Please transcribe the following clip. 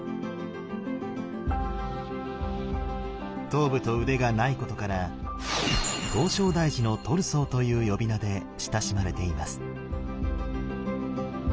頭部と腕がないことから「唐招提寺のトルソー」という呼び名で親しまれています。